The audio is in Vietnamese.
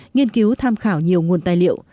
nghiên cứu tham khảo nhiều nguồn tài liệu